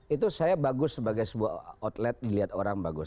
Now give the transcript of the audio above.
itu saya bagus sebagai sebuah outlet dilihat orang bagus